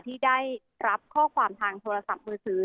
ที่ได้รับข้อความทางโทรศัพท์มือถือ